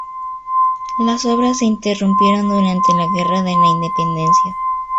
Las obras se interrumpieron durante la guerra de la Independencia.